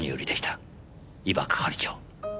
伊庭係長。